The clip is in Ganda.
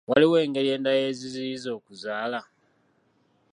Waliwo engeri endala eziziyiza okuzaala.